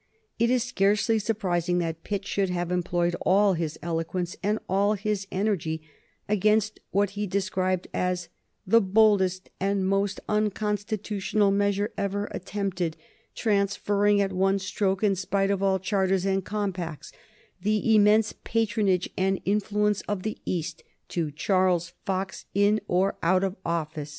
It is scarcely surprising that Pitt should have employed all his eloquence and all his energy against what he described as "the boldest and most unconstitutional measure ever attempted, transferring at one stroke, in spite of all charters and compacts, the immense patronage and influence of the East to Charles Fox in or out of office."